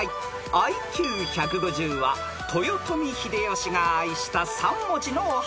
［ＩＱ１５０は豊臣秀吉が愛した３文字のお花ですよ］